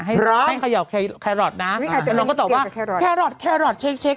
ให้แท่งเขย่าแครอทนะแต่น้องก็ตอบว่าแครอทแครอทเช็ค